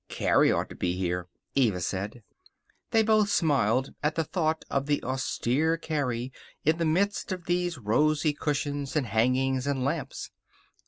"Carrie ought to be here," Eva said. They both smiled at the thought of the austere Carrie in the midst of those rosy cushions, and hangings, and lamps.